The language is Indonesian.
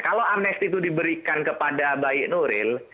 kalau amnesti itu diberikan kepada baik nuril